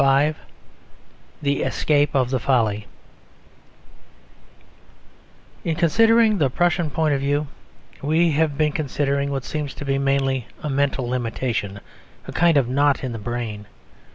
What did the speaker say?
IV THE ESCAPE OF FOLLY In considering the Prussian point of view we have been considering what seems to be mainly a mental limitation: a kind of knot in the brain.